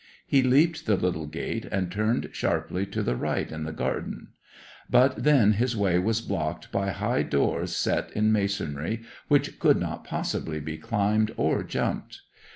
He leaped the little gate, and turned sharply to the right in the garden. But then his way was blocked by high doors, set in masonry, which could not possibly be climbed or jumped.